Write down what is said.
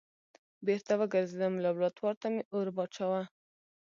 بېرته وګرځېدم لابراتوار ته مې اور واچوه.